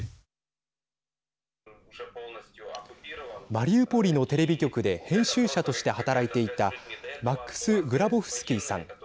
マリウポリのテレビ局で編集者として働いていたマックス・グラボフスキーさん。